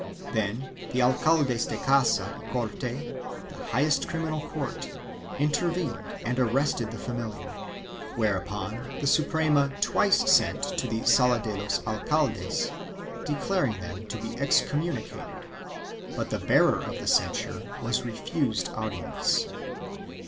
Then the Alcaldes de Casa y Corte, the highest criminal court, inter vened and arrested the familiar, whereupon the Suprema twice sent to the Sala de los Alcaldes, declaring them to be excom municated, but the bearer of the censure was refused audience.